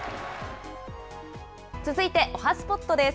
続いておはＳＰＯＴです。